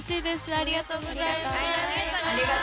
ありがとうございます。